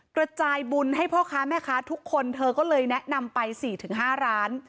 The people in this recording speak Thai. กระจายบุญให้พ่อค้าแม่ค้าทุกคนเธอก็เลยแนะนำไป๔๕ร้าน